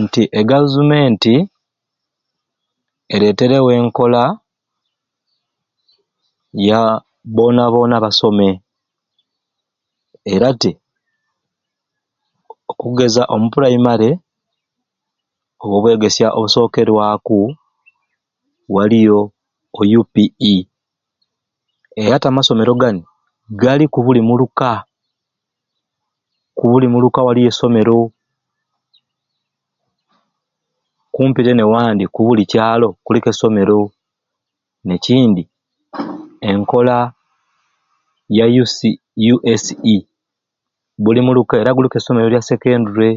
Nti egazumenti ereeterewo enkola ya boona boona basome era te, okugeza omu pulaimale oba obwegesya obusookerwaku waliyo o UPE era te amasomero gani gali ku buli muluka, ku buli muluka waliyo esomero kumpi te n'ewandi ku buli kyalo kuliku esomero n'ekindi enkola ya UC UACE buli muluka era guliku esomero lya sekendule.